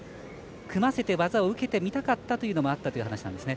組ませて技を受けてみたかったというのもあったという話なんですね。